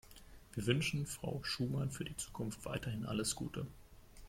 Wir wünschen Frau Schumann für die Zukunft weiterhin alles Gute.